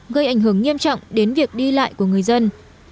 gây ảnh hưởng nghiêm trọng đến việc đi lại của người dân